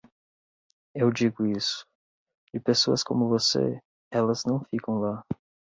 Eu digo isso; de pessoas como você, elas não ficam lá.